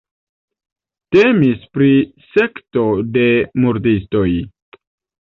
Temis pri sekto de murdistoj.